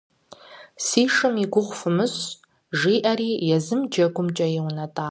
«Си шым и гугъу фымыщӀ», – жиӀэри езым джэгумкӀэ иунэтӀащ.